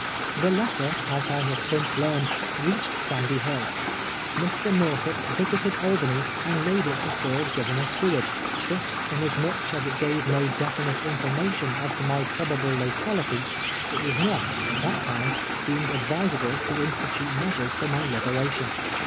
The letter, as I have since learned, reached Sandy ITill. Mr. Xorthup visited Albany and laid it before Governor Seward, but inasmuch as it gave no definite information as to my prol)able locality, it was not, at that time, deemed a<lvisal)le to institute measures for my liberation.